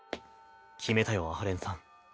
決めたよ阿波連さん。